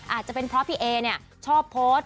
อาจจะเป็นเพราะพี่เอเนี่ยชอบโพสต์